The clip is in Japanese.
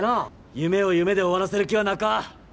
夢を夢で終わらせる気はなか。